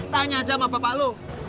tanya aja sama bapak lo